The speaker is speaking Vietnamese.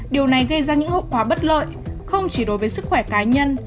điều này gây ra những hậu quả bất lợi không chỉ đối với sức khỏe cá nhân